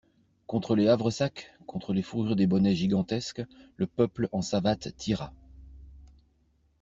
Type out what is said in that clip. Contre les havresacs, contre les fourrures des bonnets gigantesques, le peuple en savates tira.